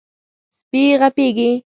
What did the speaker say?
سپي غپېږي.